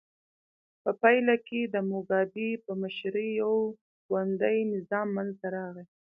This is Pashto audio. په پایله کې د موګابي په مشرۍ یو ګوندي نظام منځته راغی.